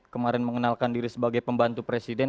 kemarin mengenalkan diri sebagai pembantu presiden